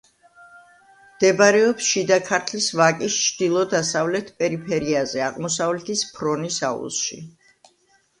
მდებარეობს შიდა ქართლის ვაკის ჩრდილო-დასავლეთ პერიფერიაზე, აღმოსავლეთის ფრონის აუზში.